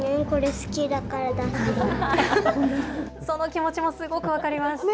気持ちもすごく分かります。